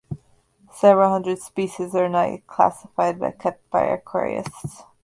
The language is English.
Several hundred species are not yet classified, but kept by aquarists.